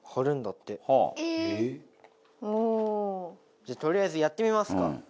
じゃあとりあえずやってみますか。